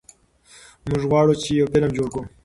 موږ غواړو چې یو فلم جوړ کړو.